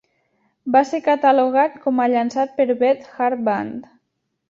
Va ser catalogat com a llançat per Beth Hart Band.